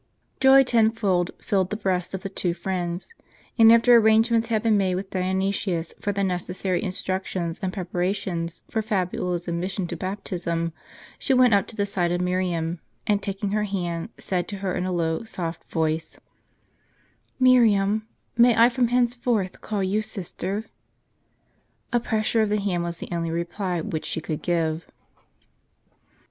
Joy tenfold filled the breasts of the two friends ; and after arrangements had been made with Dionysius for the neces sary instructions and preparations for Fabiola' s admission to baptism, she went up to the side of Miriam, and taking her hand, said to her in a low, soft voice : "Miriam, may I from henceforth call you sister?" A pressure of the hand was the only reply which she could give.